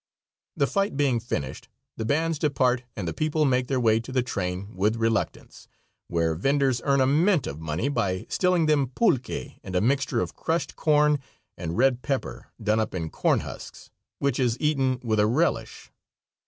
The fight being finished the bands depart and the people make their way to the train with reluctance, where venders earn a mint of money by stilling them pulque and a mixture of crushed corn and red pepper, done up in corn husks, which is eaten with a relish.